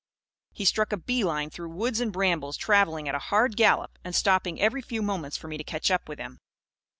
He struck a bee line, through woods and brambles, travelling at a hard gallop and stopping every few moments for me to catch up with him.